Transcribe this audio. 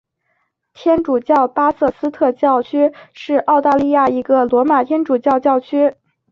天主教巴瑟斯特教区是澳大利亚一个罗马天主教教区。